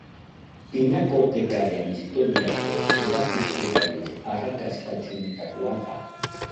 Pinakotekaren historiako erakusketarik arrakastatsuenetakoa da.